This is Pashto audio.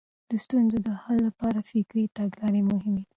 د ستونزو د حل لپاره فکري تګلارې مهمې دي.